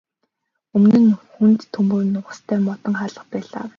Өмнө нь хүнд төмөр нугастай модон хаалга байлаа.